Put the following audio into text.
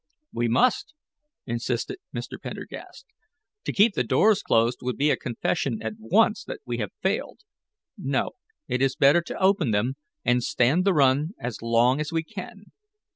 "We must," insisted Mr. Pendergast. "To keep the doors closed would be a confession at once that we have failed. No, it is better to open them, and stand the run as long as we can.